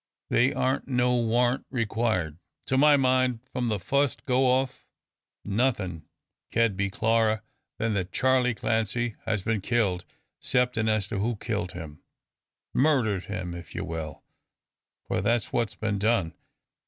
They arn't nor warn't reequired. To my mind, from the fust go off, nothin' ked be clarer than that Charley Clancy has been killed, cepting as to who killed him murdered him, if ye will; for that's what's been done.